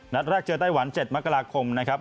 นัดแรกเจอไต้หวัน๗มกราคมนะครับ